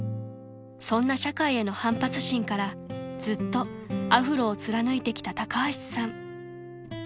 ［そんな社会への反発心からずっとアフロを貫いてきた高橋さん］